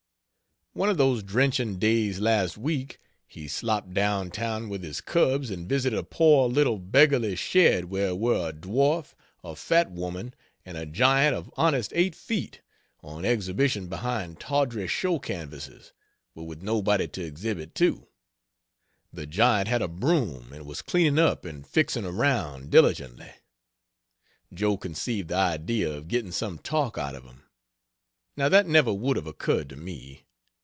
One of those drenching days last week, he slopped down town with his cubs, and visited a poor little beggarly shed where were a dwarf, a fat woman, and a giant of honest eight feet, on exhibition behind tawdry show canvases, but with nobody to exhibit to. The giant had a broom, and was cleaning up and fixing around, diligently. Joe conceived the idea of getting some talk out of him. Now that never would have occurred to me.